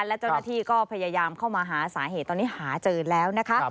และเจ้าหน้าที่ก็พยายามเข้ามาหาสาเหตุตอนนี้หาเจอแล้วนะคะ